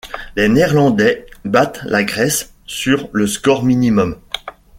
Les Néerlandais battent la Grèce sur le score minimum.